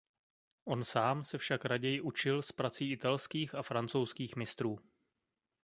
On sám se však raději učil z prací italských a francouzských mistrů.